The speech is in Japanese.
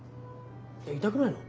痛くないの？